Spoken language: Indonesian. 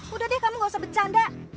udah deh kamu gak usah bercanda